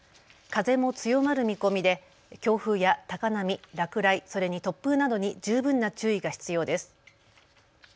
風も強まる見込みで強風や高波、落雷、それに突風などに十分な注意が必要です。